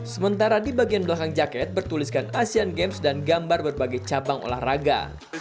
sementara di bagian belakang jaket bertuliskan asean games dan gambar berbagai cabang olahraga